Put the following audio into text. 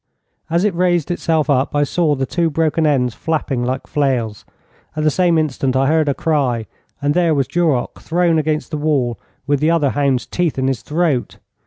As it raised itself up I saw the two broken ends flapping like flails. At the same instant I heard a cry, and there was Duroc, thrown against the wall, with the other hound's teeth in his throat.